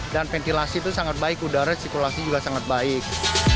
dan ventilasi itu sangat baik udara sirkulasi juga sangat baik